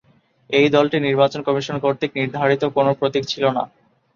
এই দলটির নির্বাচন কমিশন কর্তৃক নির্ধারিত কোনও প্রতীক ছিল না।